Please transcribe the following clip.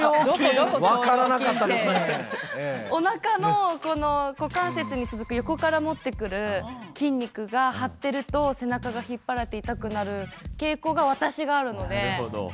おなかのこの股関節に続く横から持ってくる筋肉が張ってると背中が引っ張られて痛くなる傾向が私があるので。